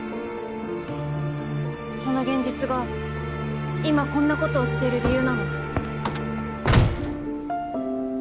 その現実が今こんなことをしてる理由なの？